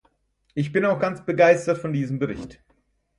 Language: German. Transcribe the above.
Ich bin auch ganz begeistert von diesem Bericht.